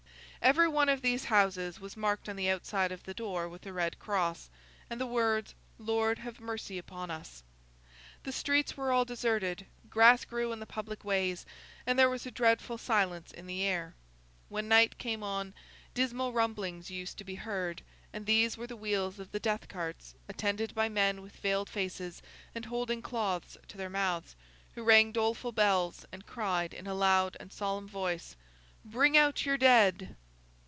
Every one of these houses was marked on the outside of the door with a red cross, and the words, Lord, have mercy upon us! The streets were all deserted, grass grew in the public ways, and there was a dreadful silence in the air. When night came on, dismal rumblings used to be heard, and these were the wheels of the death carts, attended by men with veiled faces and holding cloths to their mouths, who rang doleful bells and cried in a loud and solemn voice, 'Bring out your dead!